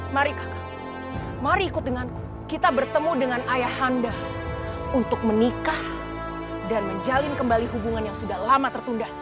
mari kak kang mari ikut denganku kita bertemu dengan ayah anda untuk menikah dan menjalin kembali hubungan yang sudah lama tertunda